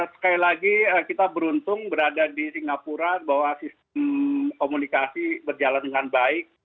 sekali lagi kita beruntung berada di singapura bahwa sistem komunikasi berjalan dengan baik